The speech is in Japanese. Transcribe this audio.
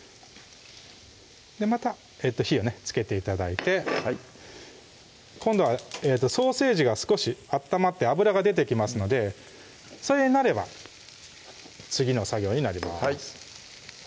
また火をねつけて頂いてはい今度はソーセージが少し温まって脂が出てきますのでそれになれば次の作業になります